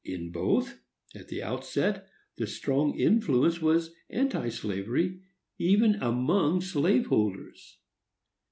In both, at the outset, the strong influence was anti slavery, even among slave holders.